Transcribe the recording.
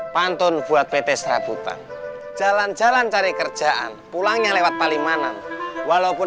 pantun buat pt serabutan jalan jalan cari kerjaan pulangnya lewat palimanan walaupun